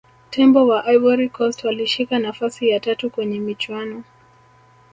tembo wa ivory coast walishika nafasi ya tatu kwenye michuano